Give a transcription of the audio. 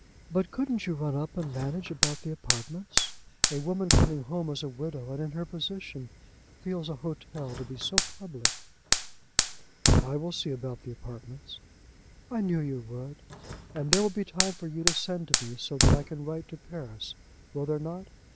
But couldn't you run up and manage about the apartments? A woman coming home as a widow, and in her position, feels an hotel to be so public." "I will see about the apartments." "I knew you would. And there will be time for you to send to me, so that I can write to Paris; will there not?